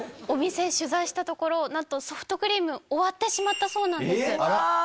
お店取材したところ何とソフトクリーム終わってしまったそうなんですえっわあ